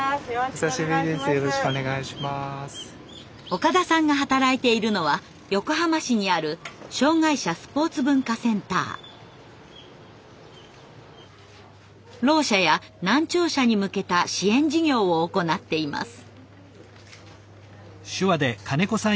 岡田さんが働いているのは横浜市にあるろう者や難聴者に向けた支援事業を行っています。